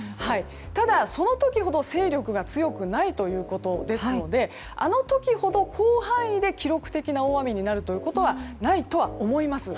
ただ、その時ほど勢力が強くないということですのであの時ほど広範囲で記録的な大雨になることはないとは思います。